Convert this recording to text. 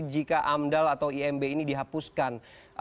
jika amdal atau imb ini dihapuskan